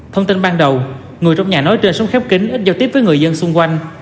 thông tin ban đầu người trong nhà nói trên xuống khép kính ít giao tiếp với người dân xung quanh